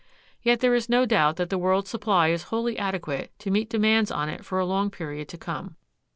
Yet there is no doubt that the world's supply is wholly adequate to meet demands on it for a long period to come.